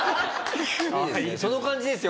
その感じですよ